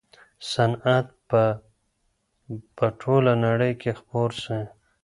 صنعت به په ټوله نړۍ کي خپور سي.